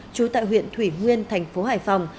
chú tại huyện thủy nguyên thành phố hải phòng